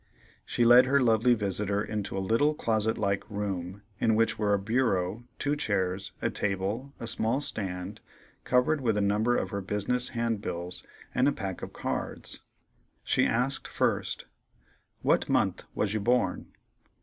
She led her lovely visitor into a little closet like room, in which were a bureau, two chairs, a table, and a small stand, covered with a number of her business hand bills and a pack of cards. She asked first: "What month was you born?"